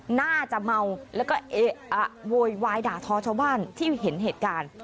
น่าจะเมาแล้วก็เอ๊ะโวยวายด่าทอชาวบ้านที่เห็นเหตุการณ์